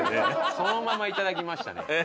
そのまま頂きましたね。